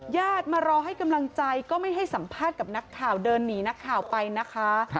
ญาติมารอให้กำลังใจก็ไม่ให้สัมภาษณ์กับนักข่าวเดินหนีนักข่าวไปนะคะ